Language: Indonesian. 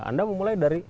anda mau mulai dari